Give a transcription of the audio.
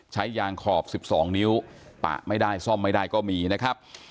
ใช้ยางขอบ๑๒นิ้วปะไม่ได้ซ่อมไม่ได้ก็มีนะครับ